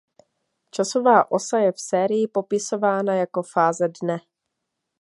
Časová osa je v sérii popisována jako fáze dne.